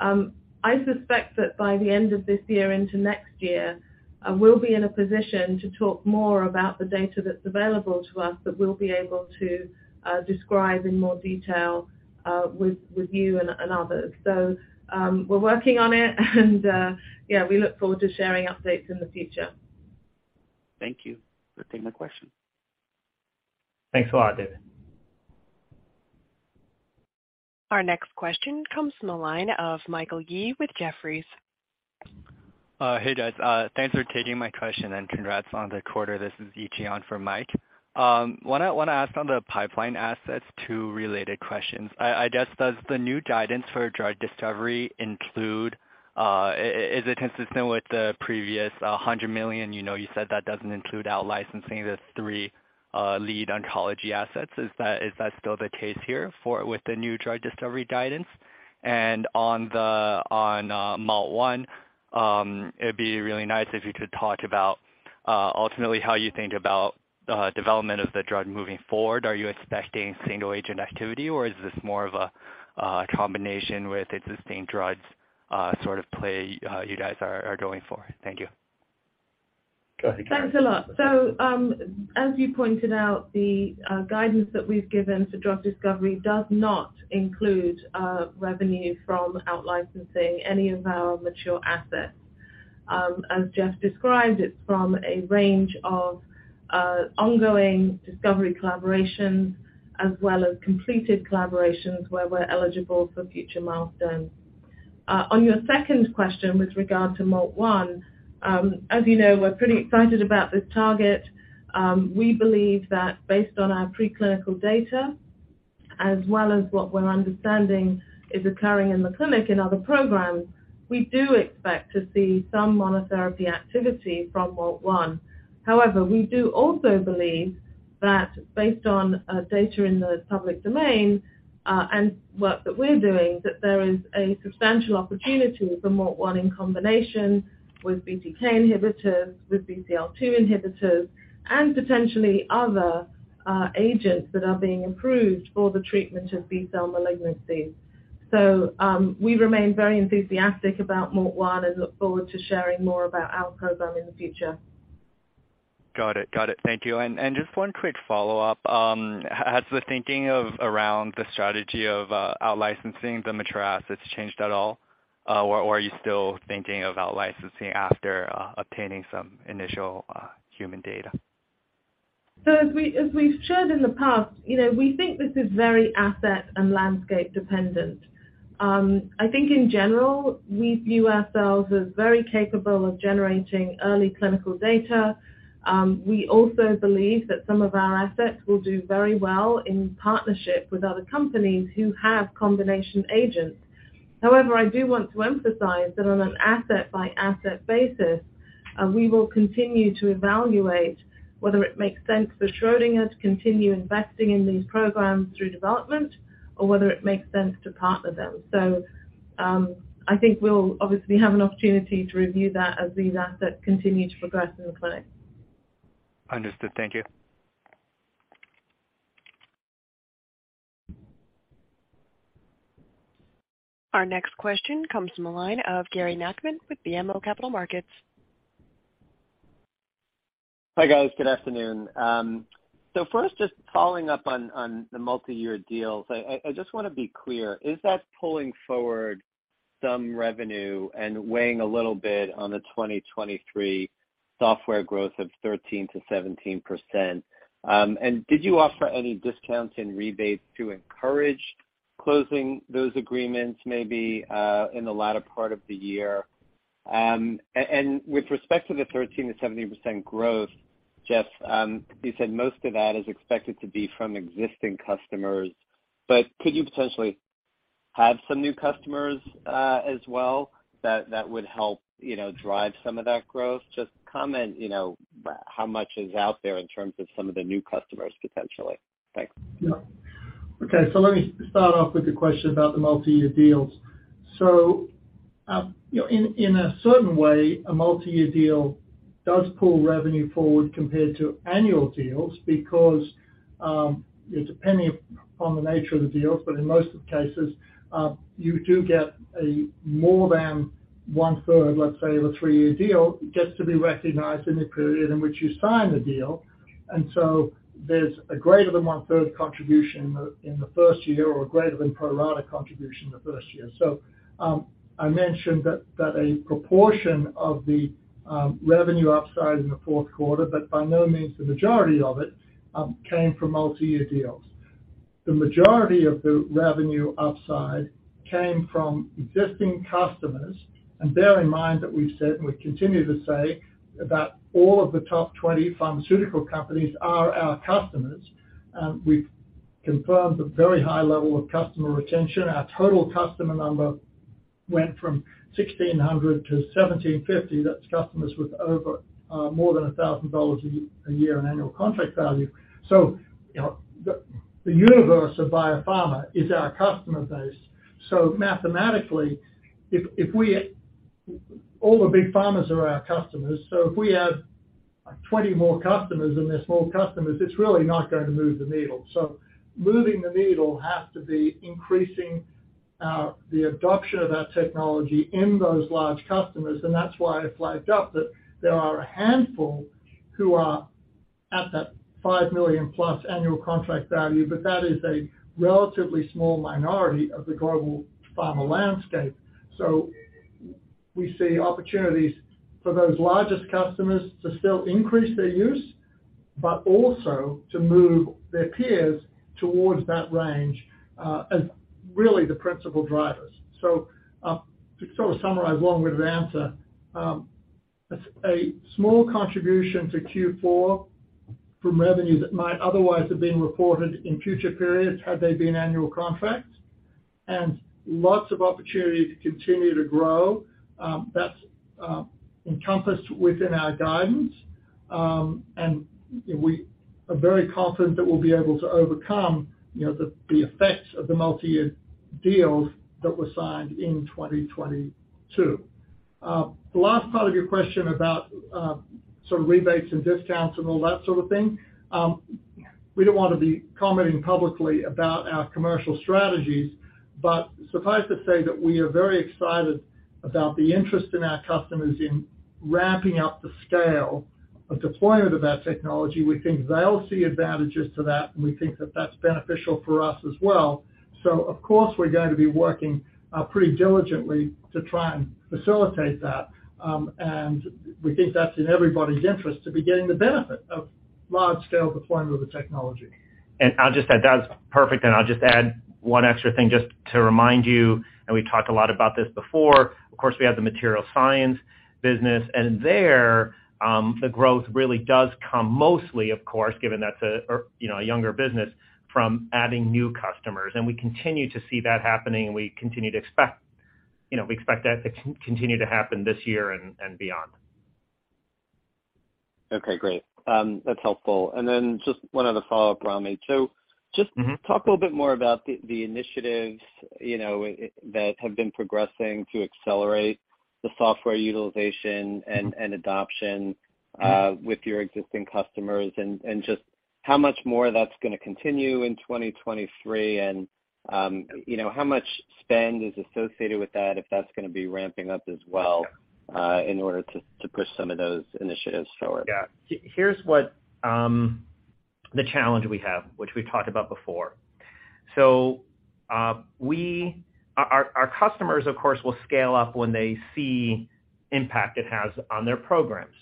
I suspect that by the end of this year into next year, we'll be in a position to talk more about the data that's available to us that we'll be able to describe in more detail, with you and others. We're working on it and, yeah, we look forward to sharing updates in the future. Thank you for taking the question. Thanks a lot, David. Our next question comes from the line of Michael Yee with Geofferies. Hey, guys. Thanks for taking my question. Congrats on the quarter. This is Wolf Chanoff for Mike. Wanna ask on the pipeline assets two related questions. I guess, does the new guidance for drug discovery include, is it consistent with the previous $100 million? You know, you said that doesn't include out licensing the three lead oncology assets. Is that still the case here with the new drug discovery guidance? On the MALT1, it'd be really nice if you could talk about ultimately how you think about development of the drug moving forward. Are you expecting single agent activity, or is this more of a combination with existing drugs sort of play you guys are going for? Thank you. Go ahead, Karen. Thanks a lot. As you pointed out, the guidance that we've given to drug discovery does not include revenue from out-licensing any of our mature assets. As Geoff described, it's from a range of ongoing discovery collaborations as well as completed collaborations where we're eligible for future milestones. On your second question with regard to MALT1, as you know, we're pretty excited about this target. We believe that based on our preclinical data as well as what we're understanding is occurring in the clinic in other programs, we do expect to see some monotherapy activity from MALT1. We do also believe that based on data in the public domain, and work that we're doing, that there is a substantial opportunity for MALT1 in combination with BTK inhibitors, with BCL-2 inhibitors, and potentially other agents that are being improved for the treatment of B-cell malignancy. We remain very enthusiastic about MALT1 and look forward to sharing more about our program in the future. Got it. Got it. Thank you. Just one quick follow-up. Has the thinking of around the strategy of out-licensing the mature assets changed at all? Are you still thinking of out-licensing after obtaining some initial human data? As we, as we've shared in the past, you know, we think this is very asset and landscape dependent. I think in general, we view ourselves as very capable of generating early clinical data. We also believe that some of our assets will do very well in partnership with other companies who have combination agents. However, I do want to emphasize that on an asset by asset basis, we will continue to evaluate whether it makes sense for Schrödinger to continue investing in these programs through development or whether it makes sense to partner them. I think we'll obviously have an opportunity to review that as these assets continue to progress in the clinic. Understood. Thank you. Our next question comes from the line of Gary Nachman with BMO Capital Markets. Hi, guys. Good afternoon. First, just following up on the multiyear deals. I just wanna be clear, is that pulling forward some revenue and weighing a little bit on the 2023 software growth of 13%-17%? Did you offer any discounts and rebates to encourage closing those agreements maybe in the latter part of the year? With respect to the 13%-17% growth, Geoff, you said most of that is expected to be from existing customers, but could you potentially have some new customers as well that would help, you know, drive some of that growth? Just comment, you know, how much is out there in terms of some of the new customers potentially. Thanks. Okay. Let me start off with the question about the multi-year deals. You know, in a certain way, a multi-year deal does pull revenue forward compared to annual deals because it's depending on the nature of the deals, but in most of the cases, you do get a more than one-third, let's say, of a 3-year deal gets to be recognized in the period in which you sign the deal. There's a greater than one-third contribution in the first year or a greater than pro rata contribution in the first year. I mentioned that a proportion of the revenue upside in the fourth quarter, but by no means the majority of it, came from multi-year deals. The majority of the revenue upside came from existing customers. Bear in mind that we've said, and we continue to say, about all of the top 20 pharmaceutical companies are our customers. We've confirmed a very high level of customer retention. Our total customer number went from 1,600 to 1,750. That's customers with over more than $1,000 a year in annual contract value. You know, the universe of biopharma is our customer base. Mathematically, if we... All the big pharmas are our customers, so if we add, like, 20 more customers and they're small customers, it's really not going to move the needle. Moving the needle has to be increasing the adoption of our technology in those large customers, and that's why I flagged up that there are a handful who are at that $5 million-plus annual contract value, but that is a relatively small minority of the global pharma landscape. We see opportunities for those largest customers to still increase their use, but also to move their peers towards that range as really the principal drivers. To sort of summarize the long-winded answer, a small contribution to Q4 from revenue that might otherwise have been reported in future periods had they been annual contracts, and lots of opportunity to continue to grow, that's encompassed within our guidance. And we are very confident that we'll be able to overcome, you know, the effects of the multi-year deals that were signed in 2022. The last part of your question about, sort of rebates and discounts and all that sort of thing, we don't want to be commenting publicly about our commercial strategies, but suffice to say that we are very excited about the interest in our customers in ramping up the scale of deployment of that technology. We think they'll see advantages to that, and we think that that's beneficial for us as well. Of course, we're going to be working pretty diligently to try and facilitate that. We think that's in everybody's interest to be getting the benefit of large-scale deployment of the technology. I'll just add, that's perfect, and I'll just add one extra thing just to remind you, and we've talked a lot about this before. Of course, we have the material science business, and there, the growth really does come mostly, of course, given that's a, you know, a younger business from adding new customers. We continue to see that happening. We continue to expect, you know, we expect that to continue to happen this year and beyond. Okay, great. That's helpful. Just one other follow-up, Ramy. Mm-hmm. Talk a little bit more about the initiatives, you know, that have been progressing to accelerate the software utilization and adoption, with your existing customers, and just how much more that's gonna continue in 2023 and, you know, how much spend is associated with that, if that's gonna be ramping up as well, in order to push some of those initiatives forward. Yeah. Here's what the challenge we have, which we've talked about before. Our customers, of course, will scale up when they see impact it has on their programs.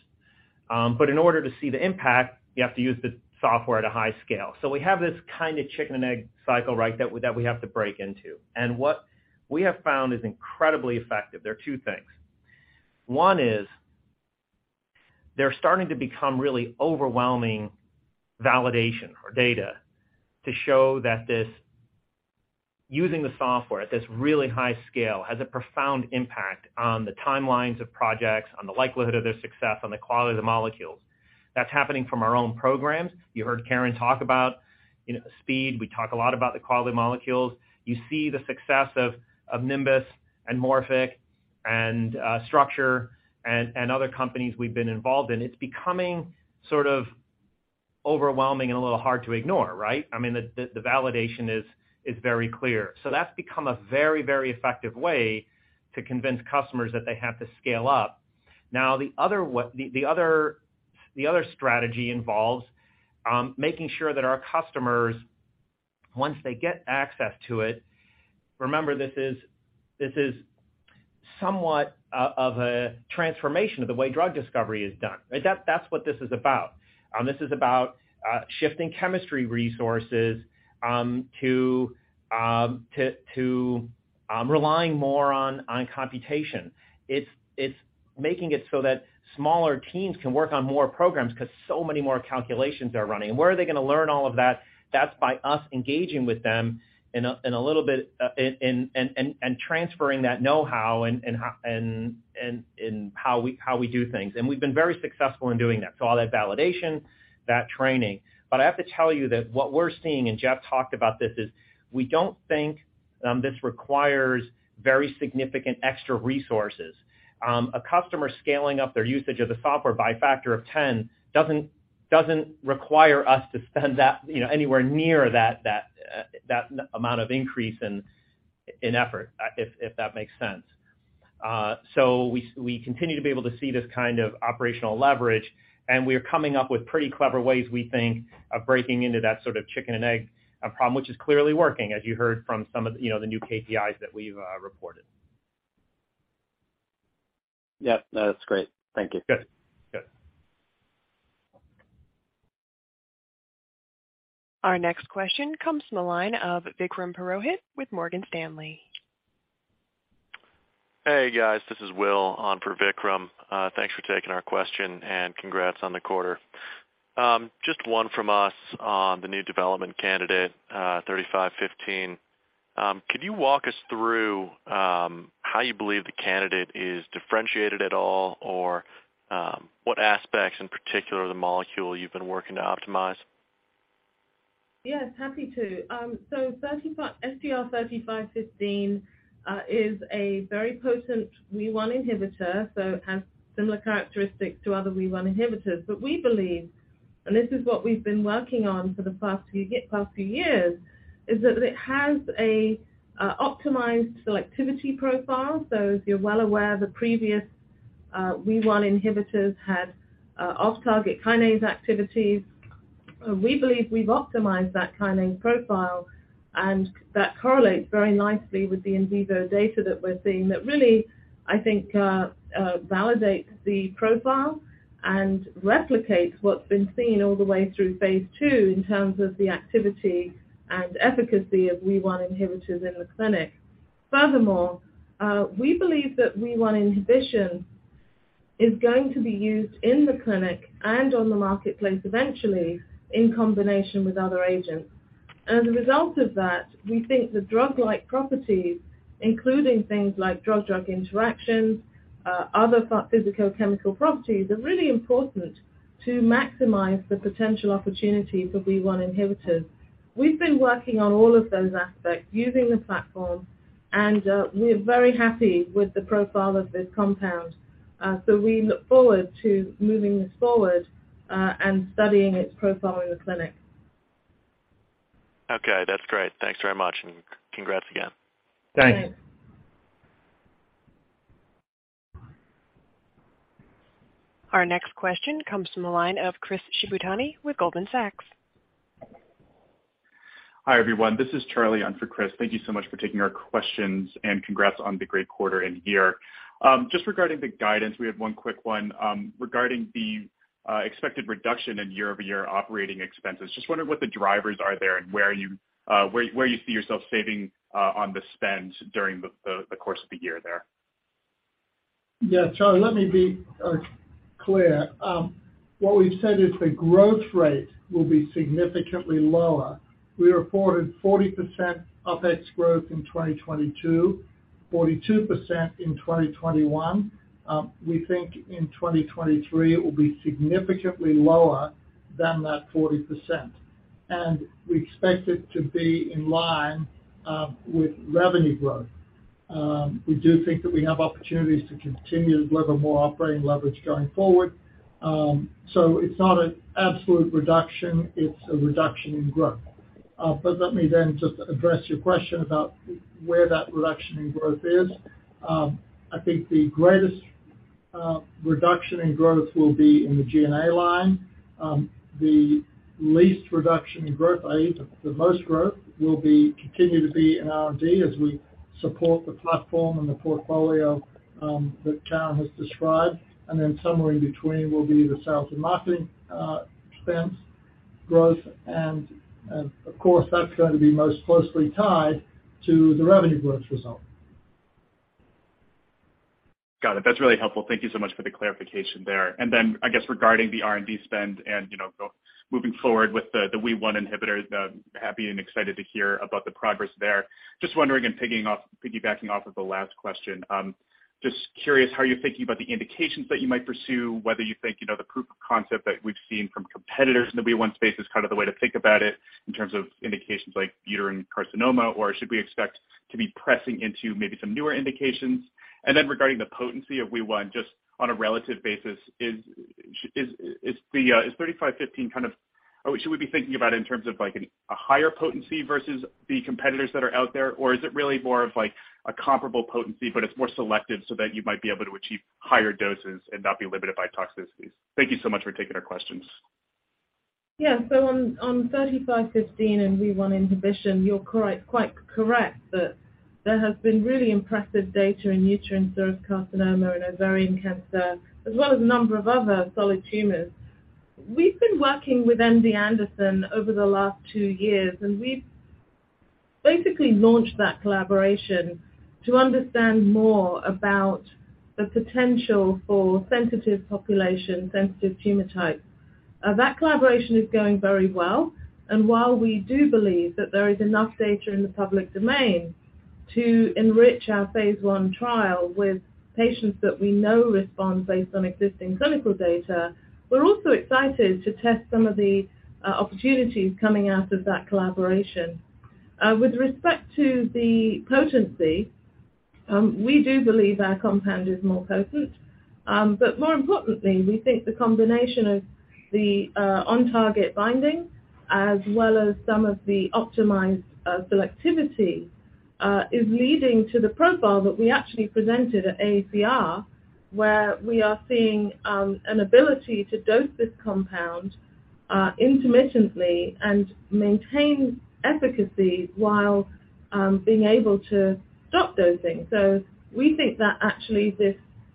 In order to see the impact, you have to use the software at a high scale. We have this kind of chicken and egg cycle, right, that we have to break into. What we have found is incredibly effective. There are two things. One is they're starting to become really overwhelming validation or data to show that this using the software at this really high scale has a profound impact on the timelines of projects, on the likelihood of their success, on the quality of the molecules. That's happening from our own programs. You heard Karen talk about, you know, speed. We talk a lot about the quality molecules. You see the success of Nimbus and Morphic and Structure and other companies we've been involved in. It's becoming sort of overwhelming and a little hard to ignore, right? I mean, the validation is very clear. That's become a very, very effective way to convince customers that they have to scale up. Now, the other strategy involves making sure that our customers, once they get access to it, remember this is somewhat of a transformation of the way drug discovery is done, right? That's what this is about. This is about shifting chemistry resources to relying more on computation. It's making it so that smaller teams can work on more programs 'cause so many more calculations are running. Where are they gonna learn all of that? That's by us engaging with them in a little bit, and transferring that know-how and how we do things. We've been very successful in doing that. All that validation, that training. I have to tell you that what we're seeing, and Geoff talked about this, is we don't think this requires very significant extra resources. A customer scaling up their usage of the software by a factor of 10 doesn't require us to spend that, you know, anywhere near that amount of increase in effort, if that makes sense. We continue to be able to see this kind of operational leverage, and we are coming up with pretty clever ways, we think, of breaking into that sort of chicken and egg problem, which is clearly working, as you heard from some of the, you know, the new KPIs that we've reported. Yep. No, that's great. Thank you. Good. Good. Our next question comes from the line of Vikram Purohit with Morgan Stanley. Hey, guys, this is Will on for Vikram. Thanks for taking our question, and congrats on the quarter. Just one from us on the new development candidate, 3515. Could you walk us through, how you believe the candidate is differentiated at all or, what aspects in particular the molecule you've been working to optimize? Yes, happy to. SGR-3515 is a very potent Wee1 inhibitor, so it has similar characteristics to other Wee1 inhibitors. We believe, and this is what we've been working on for the past few years, is that it has a optimized selectivity profile. As you're well aware, the previous Wee1 inhibitors had off-target kinase activities. We believe we've optimized that kinase profile, and that correlates very nicely with the in vivo data that we're seeing that really, I think, validates the profile and replicates what's been seen all the way through phase two in terms of the activity and efficacy of Wee1 inhibitors in the clinic. Furthermore, we believe that Wee1 inhibition is going to be used in the clinic and on the marketplace eventually in combination with other agents. As a result of that, we think the drug-like properties, including things like drug-drug interactions, other physical chemical properties, are really important to maximize the potential opportunity for Wee1 inhibitors. We've been working on all of those aspects using the platform, and, we're very happy with the profile of this compound. We look forward to moving this forward, and studying its profile in the clinic. Okay, that's great. Thanks very much, and congrats again. Thanks. Thanks. Our next question comes from the line of Chris Shibutani with Goldman Sachs. Hi, everyone. This is Charlie in for Chris. Thank you so much for taking our questions, and congrats on the great quarter and year. Just regarding the guidance, we had one quick one, regarding the expected reduction in year-over-year operating expenses. Just wondering what the drivers are there and where you where you see yourself saving on the spend during the course of the year there? Charlie, let me be clear. What we've said is the growth rate will be significantly lower. We reported 40% OpEx growth in 2022, 42% in 2021. We think in 2023 it will be significantly lower than that 40%, and we expect it to be in line with revenue growth. We do think that we have opportunities to continue to deliver more operating leverage going forward. It's not an absolute reduction, it's a reduction in growth. Let me just address your question about where that reduction in growth is. I think the greatest reduction in growth will be in the G&A line. The least reduction in growth, I mean, the most growth will be... continue to be in R&D as we support the platform and the portfolio, that Karen has described. Somewhere in between will be the sales and marketing expense growth, and of course, that's going to be most closely tied to the revenue growth result. Got it. That's really helpful. Thank you so much for the clarification there. I guess regarding the R&D spend and, you know, moving forward with the Wee1 inhibitors, happy and excited to hear about the progress there. Just wondering and piggybacking off of the last question, just curious how you're thinking about the indications that you might pursue, whether you think, you know, the proof of concept that we've seen from competitors in the Wee1 space is kind of the way to think about it in terms of indications like uterine serous carcinoma, or should we expect to be pressing into maybe some newer indications? Regarding the potency of Wee1, just on a relative basis, is the 3515 kind of... Should we be thinking about it in terms of like a higher potency versus the competitors that are out there? Is it really more of like a comparable potency, but it's more selective so that you might be able to achieve higher doses and not be limited by toxicities? Thank you so much for taking our questions. On SGR-3515 and Wee1 inhibition, you're correct, quite correct that there has been really impressive data in uterine serous carcinoma, in ovarian cancer, as well as a number of other solid tumors. We've been working with MD Anderson over the last two years, we've basically launched that collaboration to understand more about the potential for sensitive population, sensitive tumor types. That collaboration is going very well. While we do believe that there is enough data in the public domain to enrich our phase I trial with patients that we know respond based on existing clinical data, we're also excited to test some of the opportunities coming out of that collaboration. With respect to the potency, we do believe our compound is more potent. More importantly, we think the combination of the on target binding as well as some of the optimized selectivity is leading to the profile that we actually presented at ACR, where we are seeing an ability to dose this compound intermittently and maintain efficacy while being able to stop dosing. We think that actually this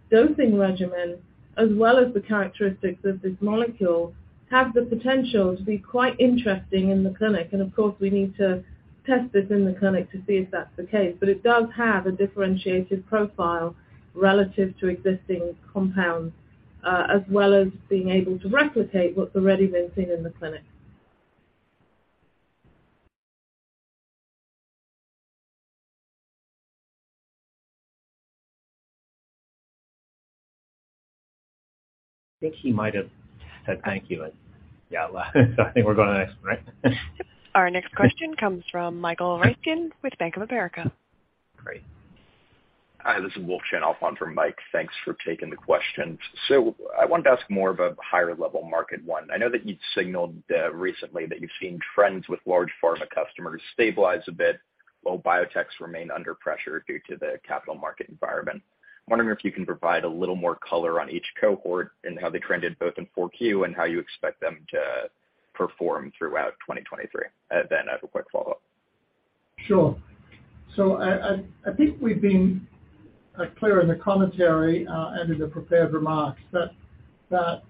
dosing regimen, as well as the characteristics of this molecule, have the potential to be quite interesting in the clinic. Of course, we need to test this in the clinic to see if that's the case. It does have a differentiated profile relative to existing compounds, as well as being able to replicate what's already been seen in the clinic. I think he might have said thank you. Yeah. I think we're going to the next one, right? Our next question comes from Michael Radkin with Bank of America. Great. Hi, this is Wolf Chen, I'll follow from Mike. Thanks for taking the questions. I wanted to ask more of a higher level market one. I know that you'd signaled recently that you've seen trends with large pharma customers stabilize a bit, while biotechs remain under pressure due to the capital market environment. I'm wondering if you can provide a little more color on each cohort and how they trended both in 4Q and how you expect them to perform throughout 2023. I have a quick follow-up. Sure. I think we've been clear in the commentary and in the prepared remarks that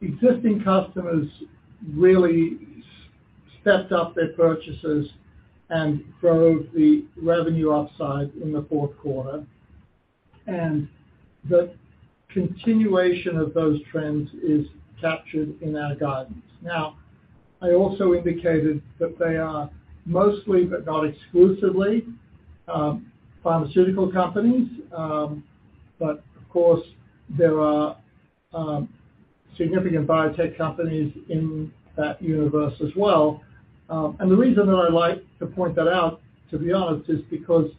existing customers really stepped up their purchases and drove the revenue upside in the fourth quarter. The continuation of those trends is captured in our guidance. Now, I also indicated that they are mostly, but not exclusively, pharmaceutical companies. Of course, there are significant biotech companies in that universe as well. The reason that I like to point that out, to be honest, is because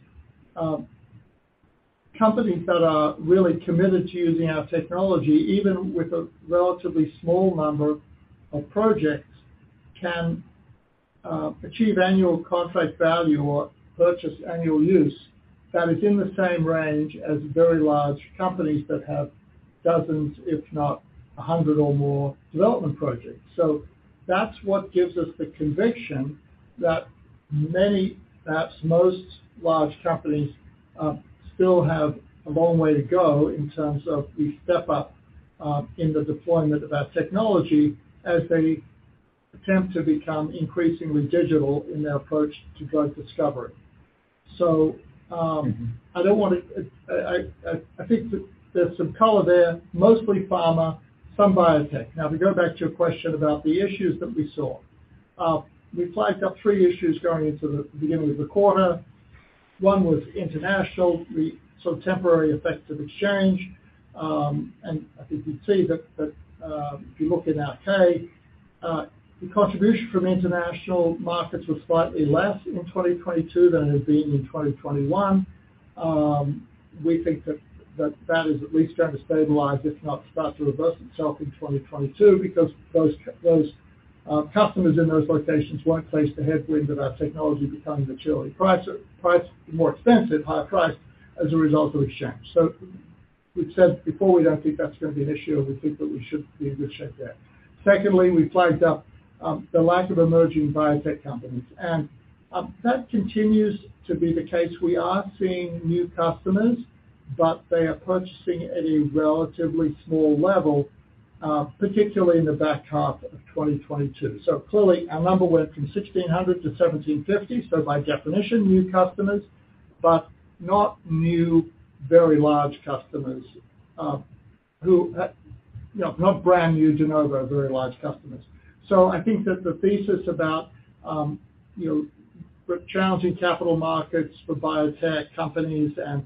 companies that are really committed to using our technology, even with a relatively small number of projects, can achieve annual contract value or purchase annual use that is in the same range as very large companies that have dozens, if not 100 or more development projects. That's what gives us the conviction that many, perhaps most large companies still have a long way to go in terms of the step up in the deployment of our technology as they attempt to become increasingly digital in their approach to drug discovery. I think that there's some color there, mostly pharma, some biotech. To go back to your question about the issues that we saw. We flagged up 3 issues going into the beginning of the quarter. One was international, the sort of temporary effects of exchange. I think you see that if you look in our K, the contribution from international markets was slightly less in 2022 than it had been in 2021. We think that that is at least going to stabilize, if not start to reverse itself in 2022 because those those customers in those locations won't face the headwind of our technology becoming materially price, more expensive, higher priced as a result of exchange. We've said before, we don't think that's going to be an issue. We think that we should be in good shape there. Secondly, we flagged up the lack of emerging biotech companies, and that continues to be the case. We are seeing new customers, but they are purchasing at a relatively small level, particularly in the back half of 2022. Clearly, our number went from 1,600 to 1,750, so by definition, new customers, but not new, very large customers, who, you know, not brand new to Nova, very large customers. I think that the thesis about, you know, the challenging capital markets for biotech companies and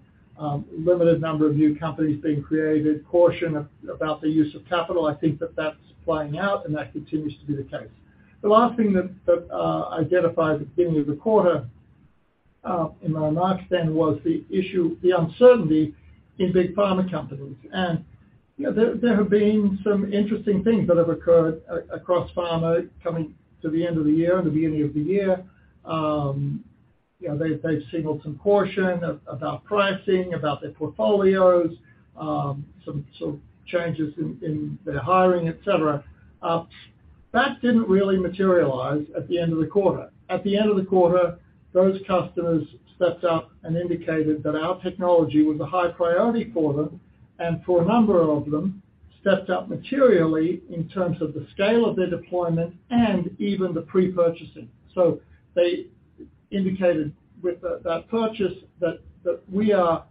limited number of new companies being created, caution about the use of capital, I think that that's playing out and that continues to be the case. The last thing that I identified at the beginning of the quarter, in my remarks then was the issue, the uncertainty in big pharma companies. You know, there have been some interesting things that have occurred across pharma coming to the end of the year and the beginning of the year. You know, they've signaled some caution about pricing, about their portfolios, some sort of changes in their hiring, et cetera. That didn't really materialize at the end of the quarter. At the end of the quarter, those customers stepped up and indicated that our technology was a high priority for them, and for a number of them, stepped up materially in terms of the scale of their deployment and even the pre-purchasing. They indicated with that purchase that we are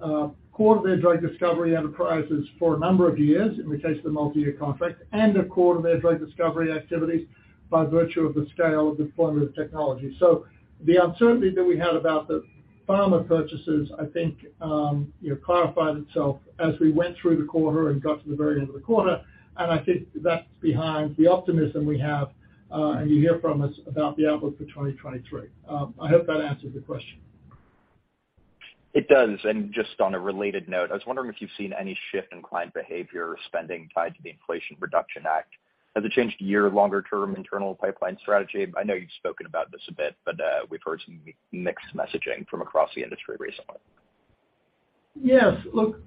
core to their drug discovery enterprises for a number of years, in which case the multi-year contract, and are core to their drug discovery activities by virtue of the scale of deployment of technology. The uncertainty that we had about the pharma purchases, I think, you know, clarified itself as we went through the quarter and got to the very end of the quarter. I think that's behind the optimism we have, and you hear from us about the outlook for 2023. I hope that answers the question. It does. Just on a related note, I was wondering if you've seen any shift in client behavior or spending tied to the Inflation Reduction Act. Has it changed your longer-term internal pipeline strategy? I know you've spoken about this a bit, but, we've heard some mixed messaging from across the industry recently. Yes. Look,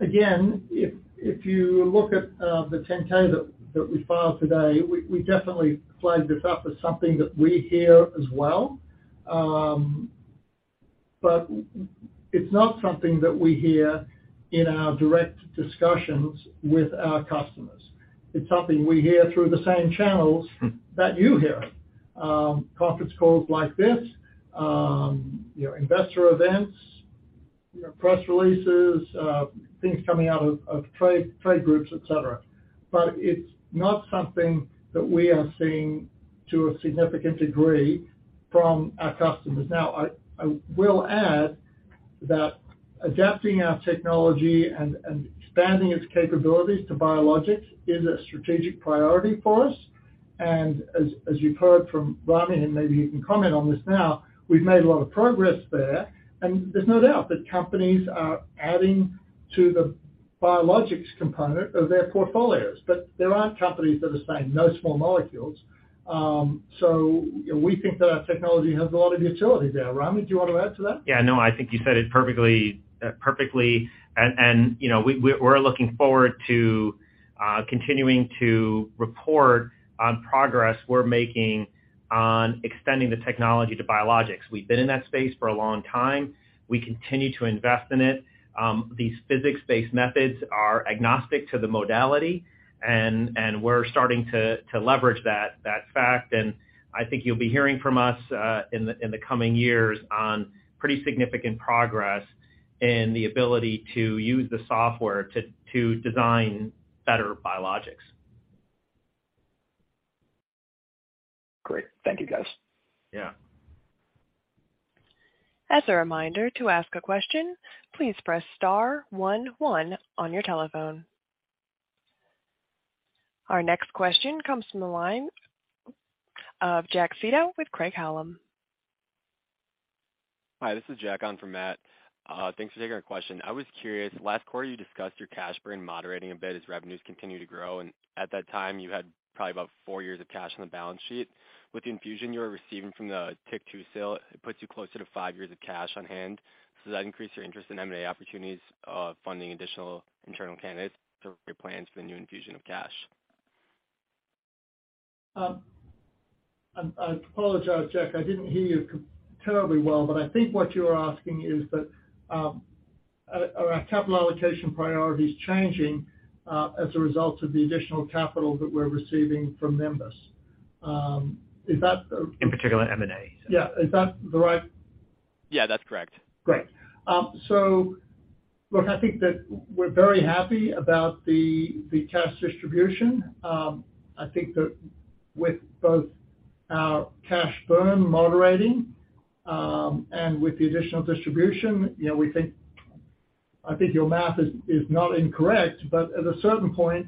again, if you look at the 10-K we filed today, we definitely flagged this up as something that we hear as well. It's not something that we hear in our direct discussions with our customers. It's something we hear through the same channels that you hear, conference calls like this, you know, investor events, you know, press releases, things coming out of trade groups, et cetera. It's not something that we are seeing to a significant degree from our customers. Now, I will add that adapting our technology and expanding its capabilities to biologics is a strategic priority for us. As you've heard from Ramy, and maybe he can comment on this now, we've made a lot of progress there. There's no doubt that companies are adding to the biologics component of their portfolios. There are companies that are saying, "No small molecules." You know, we think that our technology has a lot of utility there. Ramy, do you want to add to that? Yeah, no, I think you said it perfectly. You know, we're looking forward to continuing to report on progress we're making on extending the technology to biologics. We've been in that space for a long time. We continue to invest in it. These physics-based methods are agnostic to the modality and we're starting to leverage that fact. I think you'll be hearing from us in the coming years on pretty significant progress in the ability to use the software to design better biologics. Great. Thank you, guys. Yeah. As a reminder, to ask a question, please press star one one on your telephone. Our next question comes from the line of Jack Seto with Craig-Hallum. Hi, this is Jack on for Matt. Thanks for taking our question. I was curious, last quarter you discussed your cash burn moderating a bit as revenues continue to grow, and at that time, you had probably about 4 years of cash on the balance sheet. With the infusion you are receiving from the TYK2 sale, it puts you closer to 5 years of cash on hand. Does that increase your interest in M&A opportunities of funding additional internal candidates or your plans for the new infusion of cash? I apologize, Jack, I didn't hear you terribly well, but I think what you're asking is that, our capital allocation priorities changing as a result of the additional capital that we're receiving from Members? Is that? In particular, M&A. Yeah. Is that the right? Yeah, that's correct. Great. Look, I think that we're very happy about the cash distribution. I think that with both our cash burn moderating, and with the additional distribution, you know, I think your math is not incorrect, but at a certain point,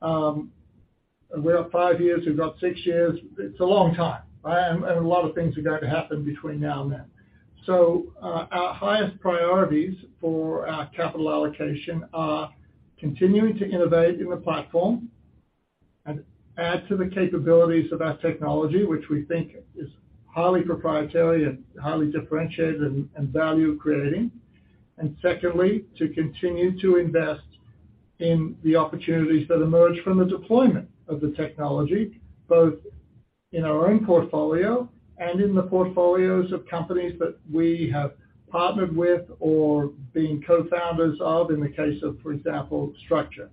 whether 5 years, we've got 6 years, it's a long time, right? A lot of things are going to happen between now and then. Our highest priorities for our capital allocation are continuing to innovate in the platform and add to the capabilities of our technology, which we think is highly proprietary and highly differentiated and value creating. Secondly, to continue to invest in the opportunities that emerge from the deployment of the technology, both in our own portfolio and in the portfolios of companies that we have partnered with or been co-founders of, in the case of, for example, Structure.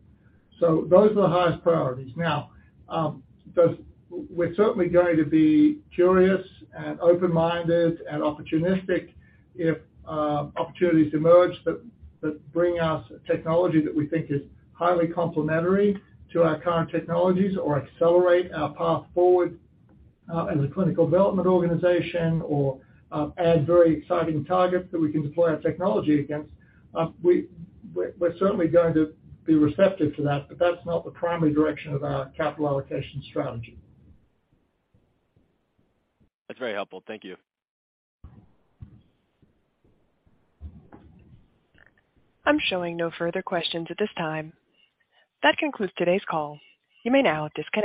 Those are the highest priorities. Now, we're certainly going to be curious and open-minded and opportunistic if opportunities emerge that bring us technology that we think is highly complementary to our current technologies or accelerate our path forward as a clinical development organization or add very exciting targets that we can deploy our technology against. We're certainly going to be receptive to that, but that's not the primary direction of our capital allocation strategy. That's very helpful. Thank you. I'm showing no further questions at this time. That concludes today's call. You may now disconnect.